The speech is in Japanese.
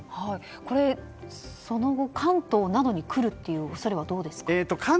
これ、その後、関東などに来る恐れはどうですか？